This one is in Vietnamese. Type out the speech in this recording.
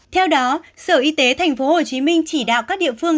theo đó sở y tế tp hcm chỉ đạo các địa phương